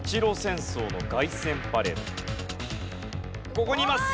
ここにいます。